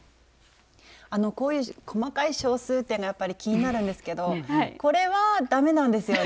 こういう細かい小数点がやっぱり気になるんですけどこれはダメなんですよね？